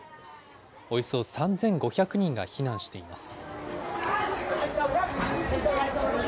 およそ３５００人が避難しています。